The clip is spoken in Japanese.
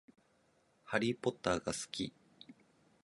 ハリーポッターが好き